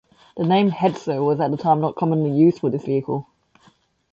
The name "Hetzer" was at the time not commonly used for this vehicle.